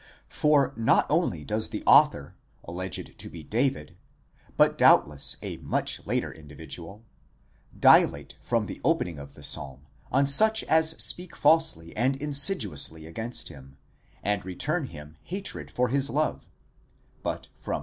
For not only does the author, alleged to be David, but doubtless a much later indi vidual,!5 dilate from the opening of the psalm on such as speak falsely and insidiously against him, and return him hatred for his love, but from v.